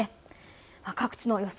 各地の予想